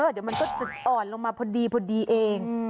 เดี๋ยวมันก็จะอ่อนลงมาพอดีเอง